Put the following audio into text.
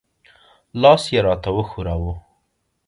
لاس یې را ته وښوراوه.